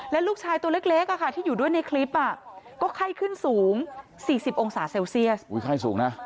และลูกชายตัวเล็กที่อยู่ด้วยในคลิปก็ไข้ขึ้นสูง๔๐องศาเซลเซียสไข้สูงนะ